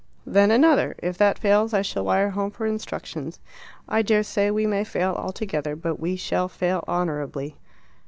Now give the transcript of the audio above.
"Then another. If that fails I shall wire home for instructions. I dare say we may fail altogether, but we shall fail honourably."